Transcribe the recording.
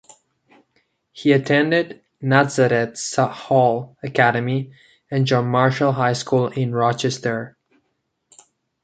He attended Nazareth Hall Academy and John Marshall High School in Rochester.